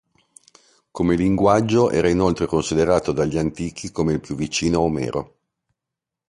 Come linguaggio era inoltre considerato dagli antichi come il più vicino a Omero.